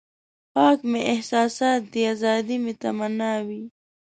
پاک مې احساسات دي ازادي مې تمنا وي.